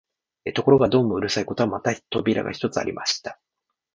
ところがどうもうるさいことは、また扉が一つありました